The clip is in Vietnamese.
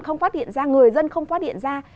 không phát hiện ra người dân không phát hiện ra